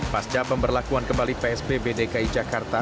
pasca pemberlakuan kembali psb bdki jakarta